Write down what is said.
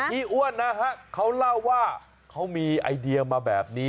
อ้วนนะฮะเขาเล่าว่าเขามีไอเดียมาแบบนี้